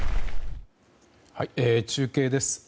中継です。